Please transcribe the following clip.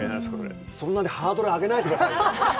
そんなんでハードル上げないでくださいよ。